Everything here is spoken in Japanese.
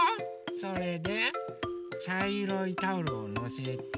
それでちゃいろいタオルをのせて。